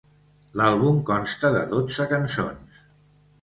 L'àlbum consta de dotze cançons.